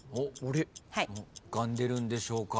浮かんでるんでしょうか？